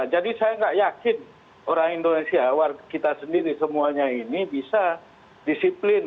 saya nggak yakin orang indonesia warga kita sendiri semuanya ini bisa disiplin